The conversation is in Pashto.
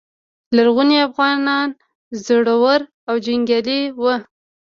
لرغوني افغانان زړور او جنګیالي وو